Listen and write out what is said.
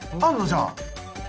じゃあ。